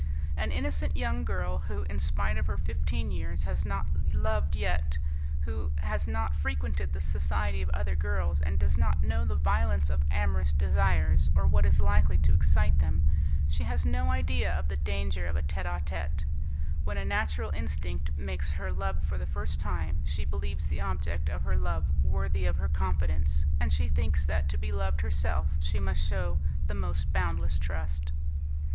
An innocent young girl, who, in spite of her fifteen years, has not loved yet, who has not frequented the society of other girls, does not know the violence of amorous desires or what is likely to excite them. She has no idea of the danger of a tete a tete. When a natural instinct makes her love for the first time, she believes the object of her love worthy of her confidence, and she thinks that to be loved herself she must shew the most boundless trust.